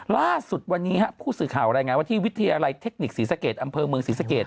ล่าสุดวันนี้ผู้สื่อข่าวรายงานว่าที่วิทยาลัยเทคนิคศรีสะเกดอำเภอเมืองศรีสะเกด